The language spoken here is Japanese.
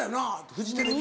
フジテレビ。